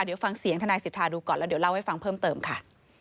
เดี๋ยวฟังเสียงทนายสิทธาดูก่อนแล้วเดี๋ยวเล่าให้ฟังเพิ่มเติมค่ะ